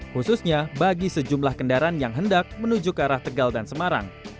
khususnya bagi sejumlah kendaraan yang hendak menuju ke arah tegal dan semarang